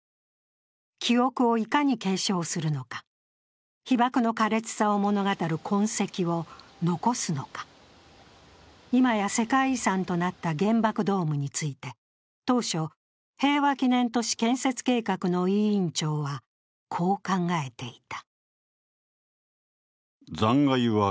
記憶をいかに継承するのか被爆の苛烈さを物語る痕跡を残すのか、今や世界遺産となった原爆ドームについて当初、平和記念都市計画の委員長はこう考えていた。